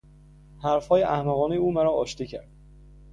حرفهای احمقانهی او مرا آتشی کرد.